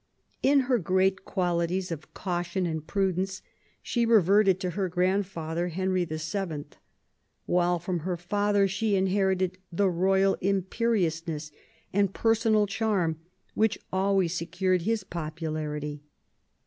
In her great qualities of caution and prudence she reverted to her grandfather, Henry VII., while from her father she inherited the royal imperiousness and personal charm which always secured his popularity.